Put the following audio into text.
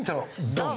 ドン！